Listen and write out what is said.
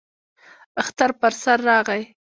اختر پر سر راغی.